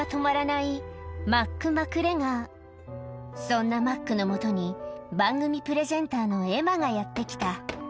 そんなマックのもとに、番組プレゼンターのエマがやって来た。